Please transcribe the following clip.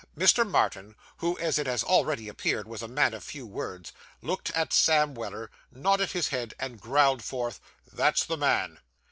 Mr. Martin, who, as it has already appeared, was a man of few words, looked at Sam Weller, nodded his head, and growled forth, 'That's the man.